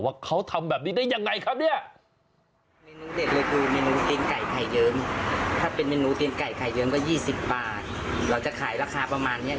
ว่าเขาทำแบบนี้ได้อย่างไรครับ